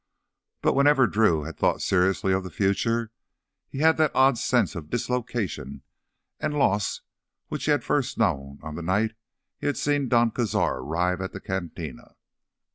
But whenever Drew thought seriously of the future he had that odd sense of dislocation and loss which he had first known on the night he had seen Don Cazar arrive at the cantina.